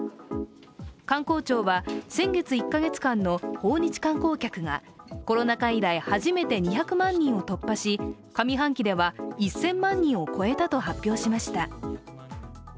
観光庁は先月１か月間の訪日観光客がコロナ禍以来初めて２００万人を突破し、上半期では１０００万人を超えたと発表しました。